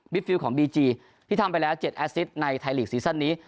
บิฟิลของบีจีที่ทำไปแล้วเจ็ดในไทยลีกซีซ่อนนี้